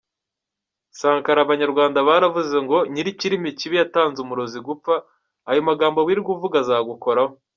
Sankara abanyarwanda baravuze ngo nyirikirimi kibi yatanze umurozi gupfa, ayo magambo wirirwa uvuga azagukoraho!